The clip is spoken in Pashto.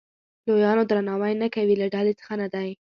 لویانو درناوی نه کوي له ډلې څخه نه دی.